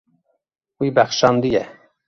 Wî bexşandiye.